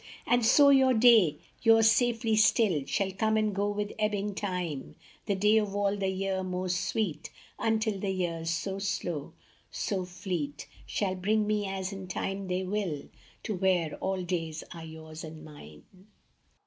And so your day, yours safely still, Shall come and go with ebbing time, The day of all the year most sweet, Until the years so slow, so fleet, Shall bring me, as in time they will, To where all days are yours and mine.